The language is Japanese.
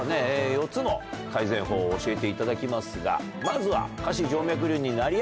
４つの改善法を教えていただきますがまずは。